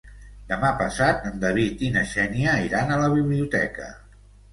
Demà passat en David i na Xènia iran a la biblioteca.